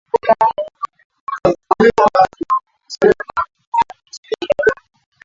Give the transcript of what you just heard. furaha ya umakamu wangu wa maalim shefu